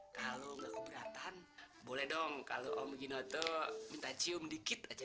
kalau enggak keberatan boleh dong kalau om gino tuh minta cium dikit aja